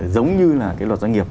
giống như là cái luật doanh nghiệp